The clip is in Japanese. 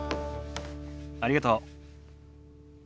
ありがとう。